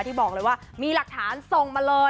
ที่บอกเลยว่ามีหลักฐานส่งมาเลย